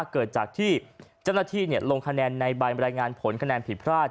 เกิดจากที่เจ้าหน้าที่ลงคะแนนในใบบรรยายงานผลคะแนนผิดพลาด